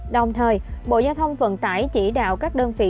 đồng thời bộ giao thông vận tải chỉ đạo các đơn vị